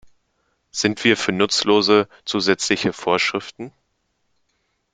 Sind wir für nutzlose, zusätzliche Vorschriften?